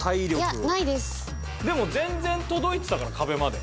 でも全然届いてたから壁まで。